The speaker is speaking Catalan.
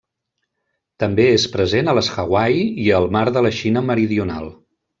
També és present a les Hawaii i el Mar de la Xina Meridional.